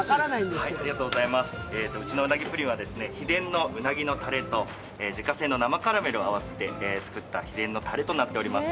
うちの鰻ぷりんは秘伝のうなぎのたれと自家製の生カラメルを合わせて作った秘伝のたれとなっています。